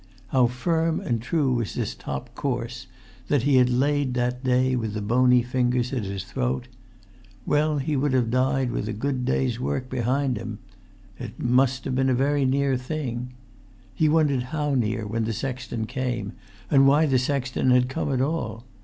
How firm and true was this top course, that he had laid that day with the bony fingers at his throat! Well, he would have died with a good day's work behind him ... It must have been a very near thing ... he wondered how near when the sexton came, and why the sexton had come at all.